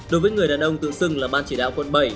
đối với người đàn ông tự xưng là ban chỉ đạo quận bảy